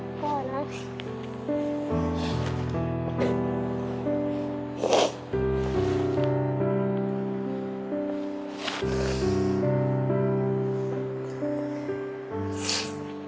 รักพ่อนะ